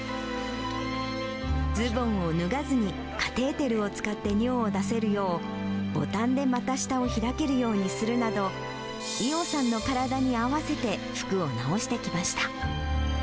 ズボンを脱がずにカテーテルを使って尿を出せるよう、ボタンで股下を開けるようにするなど、いおさんの体に合わせて服を直してきました。